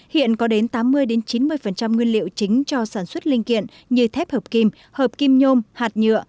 hiện có đến tám mươi chín mươi nguyên liệu chính cho sản xuất linh kiện như thép hợp kim hợp kim nhôm hạt nhựa